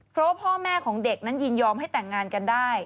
เพราะว่าพ่อแม่ของเด็กนั้นยินยอมให้แต่งงานกันได้